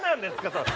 それ。